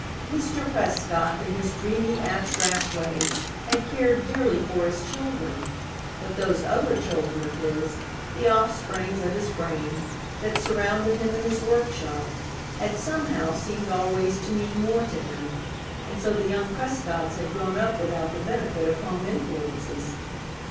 Mr. Prescott, in his dreamy, abstract way, had cared dearly for his children. But those other children of his the offsprings of his brain that surrounded him in his workshop, had, somehow, seemed always to mean more to him. And so the young Prescotts had grown up without the benefit of home influences.